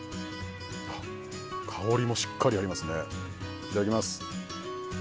香りもしっかりありますね。